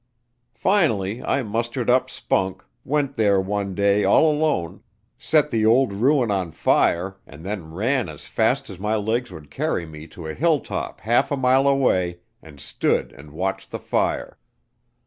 Finally I mustered up spunk, went there one day all alone, set the old ruin on fire, and then ran as fast as my legs would carry me to a hilltop half a mile away, and stood and watched the fire.